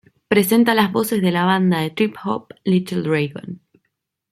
Presenta las voces de la banda de trip hop, Little Dragon.